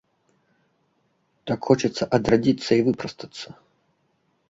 Так хочацца адрадзіцца і выпрастацца.